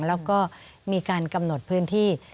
แล้วก็มีการกำหนดพื้นที่